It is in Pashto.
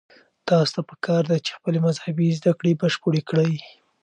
تاسو ته پکار ده چې خپلې مذهبي زده کړې بشپړې کړئ.